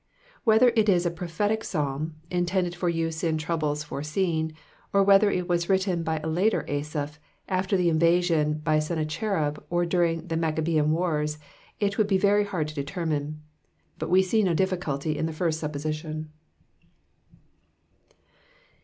Wlielher it is a prophetic Psalm, intejided for u.se m troubles foreseen, or whether U was written by a later Asaph, after the invasion by ^en Ttachenb or during the Maccuhean tears, it toould be very hard to determine^ but we see no d^ficuUy in the first supposition.